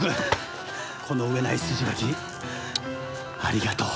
この上ない筋書きありがとう。